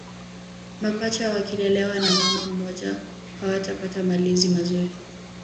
Mapacha wakilelewa na mama mmoja hawatapata malezi mazuri